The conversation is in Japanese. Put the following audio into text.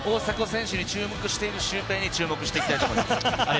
大迫選手に注目しているシュウペイに注目していきたいと思います。